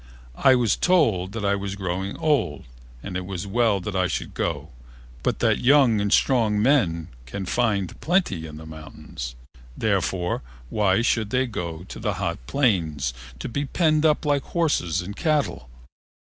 I was told that I was growing old and it was well that I should go, but that young and strong men can find plenty in the mountains: therefore, why should they go to the hot plains to be penned up like horses and cattle?